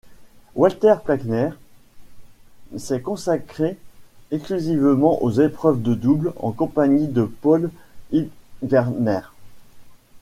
Walter Plaikner s'est consacré exclusivement aux épreuves de double en compagnie de Paul Hildgartner.